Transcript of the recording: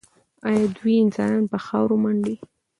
ایا دوی انسانان په خاورو منډي؟